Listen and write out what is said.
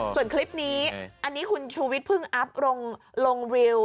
ส่วนคลิปนี้อันนี้คุณชูวิทยเพิ่งอัพลงวิว